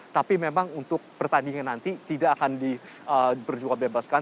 tapi memang untuk pertandingan nanti tidak akan diperjuang bebaskan